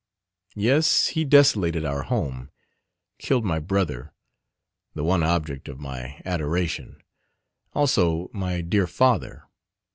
Yes, he desolated our home, killed my brother the one object of my adoration also my dear father.